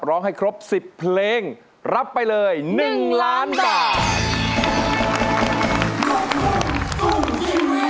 ร้องให้ครบ๑๐เพลงรับไปเลย๑ล้านบาท